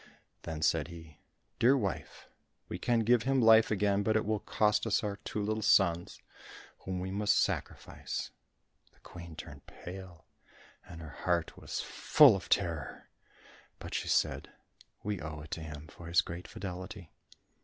Then said he, "Dear wife, we can give him his life again, but it will cost us our two little sons, whom we must sacrifice." The Queen turned pale, and her heart was full of terror, but she said, "We owe it to him, for his great fidelity."